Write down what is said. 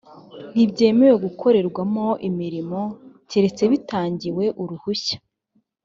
ntibyemewe gukorerwamo imirimo keretse bitangiwe uruhushya